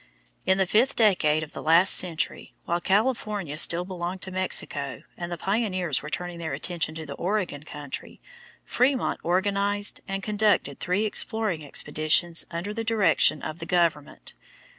In the fifth decade of the last century, while California still belonged to Mexico and the pioneers were turning their attention to the Oregon country, Frémont organized and conducted three exploring expeditions under the direction of the government.